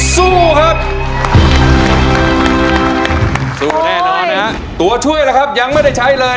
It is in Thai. สู้แน่นอนนะครับตัวช่วยล่ะครับยังไม่ได้ใช้เลย